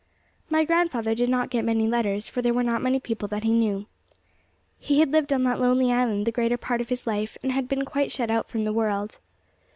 My grandfather did not get many letters, for there were not many people that he knew. He had lived on that lonely island the greater part of his life, and had been quite shut out from the world.